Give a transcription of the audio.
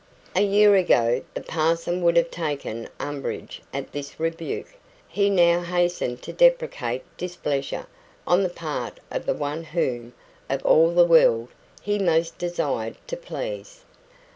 A year ago the parson would have taken umbrage at this rebuke; he now hastened to deprecate displeasure on the part of the one whom, of all the world, he most desired to please.